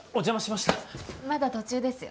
まだ途中ですよ。